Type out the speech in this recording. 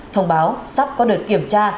thông báo sắp có đợt kiểm tra